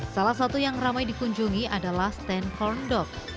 salah satu yang ramai dikunjungi adalah sten corn dog